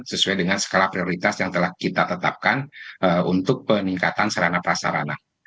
sesuai dengan skala prioritas yang telah kita tetapkan untuk peningkatan sarana prasarana